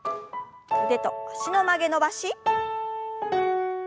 腕と脚の曲げ伸ばし。